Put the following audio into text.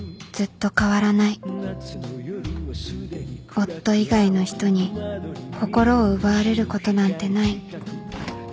夫以外の人に心を奪われることなんてない